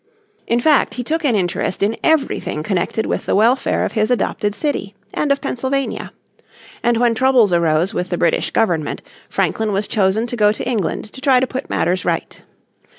In fact he took an interest in everything connected with the welfare of his adopted city, and of Pennsylvania. And when troubles arose with the British Government Franklin was chosen to go to England to try to put matters right.